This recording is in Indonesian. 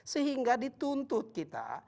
sehingga dituntut kita